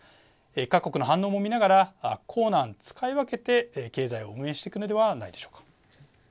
各国の反応も見ながら硬軟、使い分けて経済を運営していくのではないでしょうか。